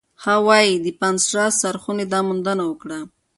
هاوايي د پان-سټارس څارخونې دا موندنه وکړه.